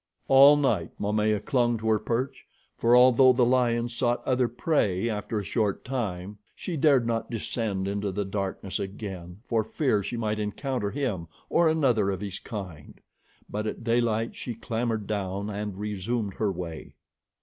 All night Momaya clung to her perch, for although the lion sought other prey after a short time, she dared not descend into the darkness again, for fear she might encounter him or another of his kind; but at daylight she clambered down and resumed her way.